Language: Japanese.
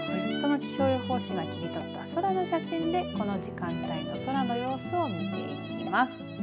この気象予報士が切り取った空の写真でこの時間帯の空の様子を見ていきます。